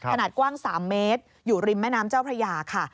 ขนาดกว้าง๓เมตรอยู่ริมแม่น้ำเจ้าพระยาค่ะ